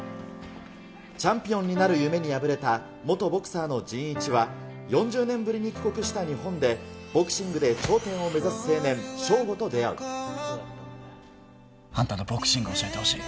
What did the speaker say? チャンピオンになる夢に破れた、元ボクサーの仁一は４０年ぶりに帰国した日本で、ボクシングで頂点を目指す少年、あんたのボクシング教えてほしい。